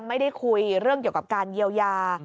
มีเรื่องเกี่ยวกับการเยียวยา